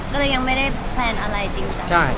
ก็เลยยังไม่ได้แพลนอะไรจริงจัง